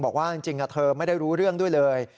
บอกว่าจริงเธอไม่ได้รู้เรื่องด้วยเลย